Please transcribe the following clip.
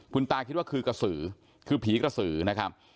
คุณตาคิดว่าคือกระสือคือผีกระสือนะครับ